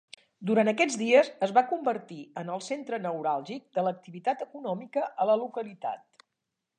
Durant aquests dies es va convertir en el centre neuràlgic de l'activitat econòmica a la localitat.